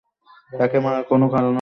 তাকে মারার কোন কারণই নেই।